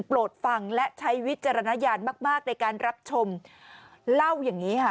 โปรดฟังและใช้วิจารณญาณมากมากในการรับชมเล่าอย่างนี้ค่ะ